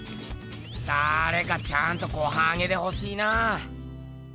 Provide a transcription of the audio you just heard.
だれかちゃんとごはんあげてほしいなぁ。